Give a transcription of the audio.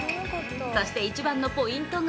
そして１番のポイントが